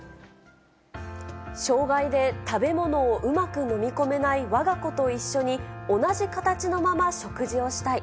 障害で食べ物をうまく飲み込めないわが子と一緒に、同じ形のまま食事をしたい。